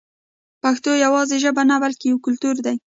پښتو یوازې ژبه نه بلکې یو کلتور دی.